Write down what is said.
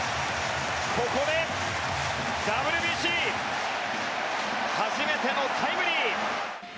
ここでＷＢＣ初めてのタイムリー。